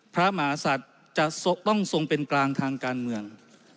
พระมหาศัตริย์จะต้องทรงเป็นกลางทางการเมือง